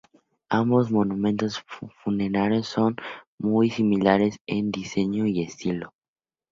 Ambos monumentos funerarios son muy similares en diseño y estilo.